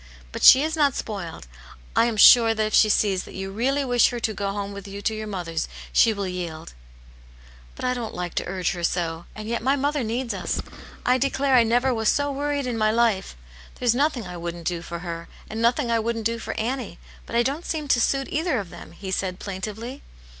But she is not spoiled. I am sure that if she sees iVvat yow teally wish her to g*o home with you to your moVVvei's^ s\\^\r^ Y^^'^? Aunt Janets Hero. 185 "But I don't like to urge her so, and yet my mother needs us ; I declare I never was so worried in my life. There's nothing I wouldn't do for her, and nothing I wouldn't do for Annie ; but I don't seem to suit either of them," he said, plaintively.